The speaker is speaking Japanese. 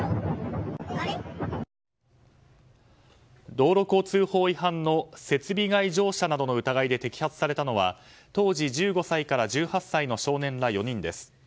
道路交通法違反の設備外乗車などの疑いで摘発されたのは、当時１５歳から１８歳の少年ら４人です。